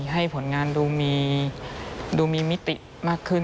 ให้ผลงานดูมีมิติมากขึ้น